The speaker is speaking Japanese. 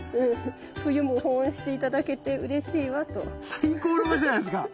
最高の場所じゃないですか。